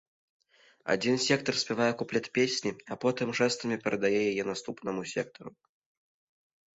Адзін сектар спявае куплет песні, а потым жэстамі перадае яе наступнаму сектару.